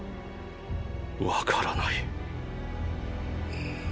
わからない。